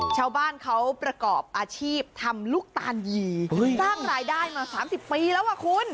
ชาวบ้านเขาประกอบอาชีพทำลูกตาลยีสร้างรายได้มา๓๐ปีแล้วอ่ะคุณ